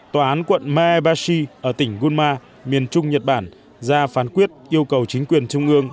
tòa án quận maebashi ở tỉnh gunma miền trung nhật bản ra phán quyết yêu cầu chính quyền trung ương